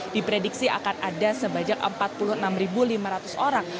diprediksi akan ada sebanyak empat puluh enam lima ratus orang